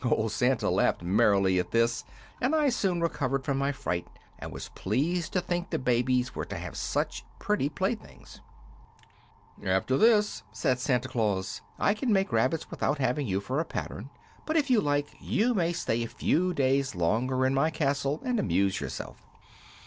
Old Santa laughed merrily at this, and I soon recovered from my fright and was pleased to think the babies were to have such pretty playthings. "'After this,' said Santa Claus, 'I can make rabbits without having you for a pattern; but if you like you may stay a few days longer in my castle and amuse yourself.'